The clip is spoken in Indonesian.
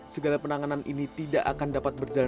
segala penanganan ini tidak akan dapat berjalan